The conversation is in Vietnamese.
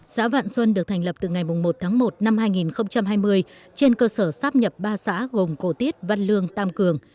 xã vạn xuân được thành lập từ ngày một tháng một năm hai nghìn hai mươi trên cơ sở sáp nhập ba xã gồm cổ tiết văn lương tam cường